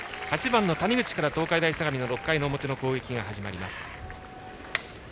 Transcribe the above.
８番の谷口から東海大相模の６回の表の攻撃が始まります。